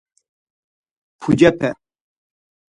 Pucepe?